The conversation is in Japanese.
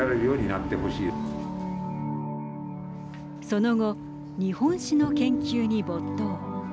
その後、日本史の研究に没頭。